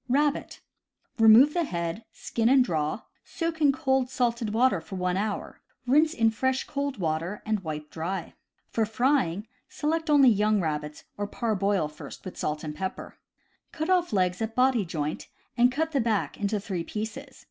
Rabbit. — Remove the head; skin and draw; soak in cold salted water for one hour; rinse in fresh cold water, and wipe dry. For frying, select only young rabbits, or parboil first with salt and pepper. Cut off legs at body joint, and cut the back into three pieces.